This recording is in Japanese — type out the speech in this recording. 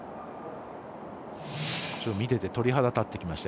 見てて鳥肌立ってきました。